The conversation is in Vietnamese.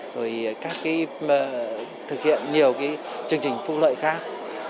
rồi thực hiện nhiều chương trình phúc lợi khác